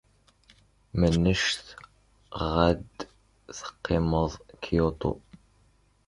Mennect ɣ ad teqqimed Kyoto?